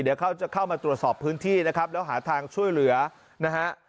เดี๋ยวเขาจะเข้ามาตรวจสอบพื้นที่นะครับแล้วหาทางช่วยเหลือนะฮะ